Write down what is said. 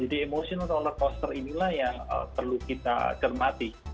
jadi emotional roller coaster inilah yang perlu kita cermati